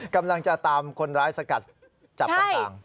กำลังจะตามคนร้ายสกัดจับต่าง